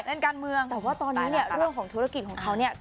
แต่ตอนนี้เรื่องทุรกิจของเค้า